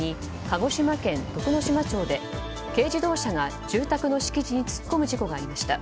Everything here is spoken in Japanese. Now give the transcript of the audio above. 鹿児島県徳之島町で軽自動車が住宅の敷地に突っ込む事故がありました。